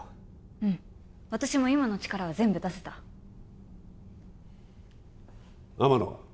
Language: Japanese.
うん私も今の力は全部出せた天野は？